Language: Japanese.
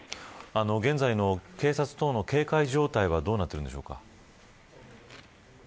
現在の警察等の警戒状態はどうなっていますか。